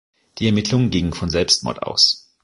Die Ermittlungen gingen von Selbstmord aus.